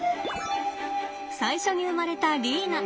最初に生まれたリーナ。